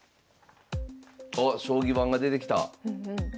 おっ将棋盤が出てきた。